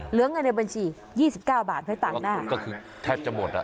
เหลือเงินในบัญชียี่สิบเก้าบาทไว้ต่างหน้าก็คือแทบจะหมดอ่ะ